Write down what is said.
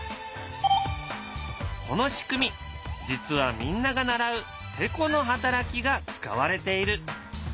この仕組み実はみんなが習う「てこのはたらき」が使われている。